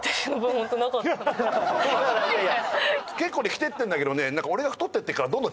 結構ね着ていってんだけどね